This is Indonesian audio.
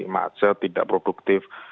macet tidak produktif